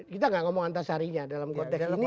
kita gak ngomong antasarinya dalam konteks ini